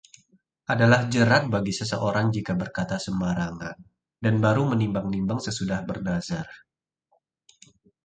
Adalah jerat bagi seseorang jika berkata sembarangan, dan baru menimbang-nimbang sesudah bernazar.